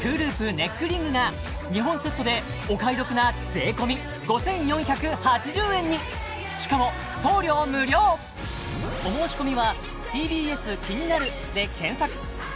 ネックリングが２本セットでお買い得な税込５４８０円にしかも送料無料大豆麺ん？